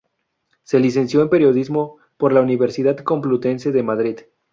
Se licenció en Periodismo por la Universidad Complutense de Madrid.